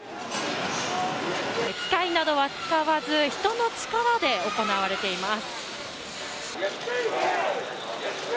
機械などは使わず人の力で行われています。